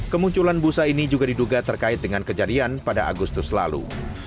kemunculan busa ini juga diduga terkait dengan kejadian pada agustus lalu